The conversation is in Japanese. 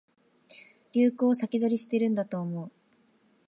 流行を先取りしてるんだと思う